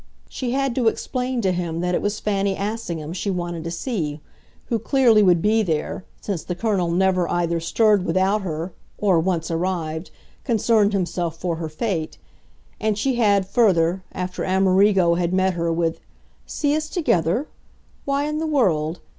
She had to explain to him that it was Fanny Assingham, she wanted to see who clearly would be there, since the Colonel never either stirred without her or, once arrived, concerned himself for her fate; and she had, further, after Amerigo had met her with "See us together? why in the world?